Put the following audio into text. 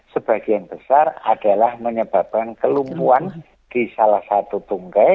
sebagian besar adalah menyebabkan kelumpuhan di salah satu tungkai